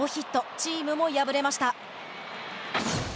チームも敗れました。